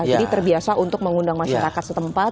jadi terbiasa untuk mengundang masyarakat setempat